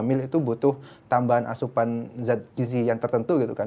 jadi ibu hamil itu butuh tambahan asupan zat gizi yang tertentu gitu kan